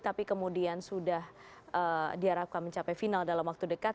tapi kemudian sudah diharapkan mencapai final dalam waktu dekat